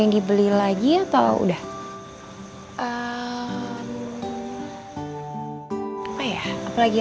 kamu suka gak atau yang ini